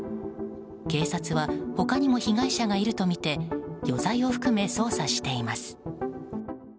警察は他にも被害者がいるとみて余罪を含め、捜査しています。